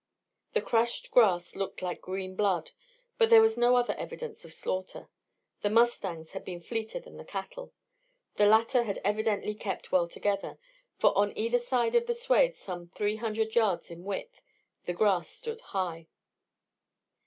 The crushed grass looked like green blood, but there was no other evidence of slaughter; the mustangs had been fleeter than the cattle. The latter had evidently kept well together, for on either side of a swath some three hundred yards in width, the grass stood high.